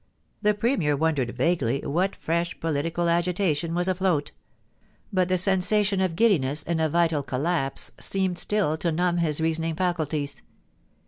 The Premier wondered vaguely what fresh political agita tion was afloat ; but the sensation of giddiness and of vital collapse seemed still to numb his reasoning faculties.